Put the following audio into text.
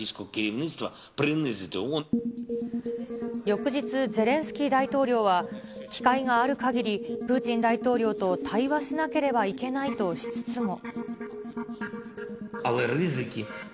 翌日、ゼレンスキー大統領は機会があるかぎり、プーチン大統領と対話しなければいけないとしつつも。